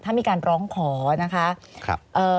ถ้ามีการร้องขอนะคะ